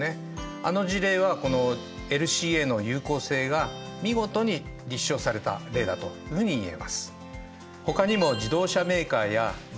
あの事例はこのＬＣＡの有効性が見事に立証された例だというふうに言えます。